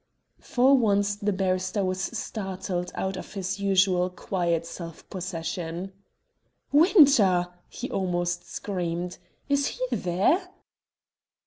'" For once the barrister was startled out of his usual quiet self possession. "Winter!" he almost screamed. "Is he there?"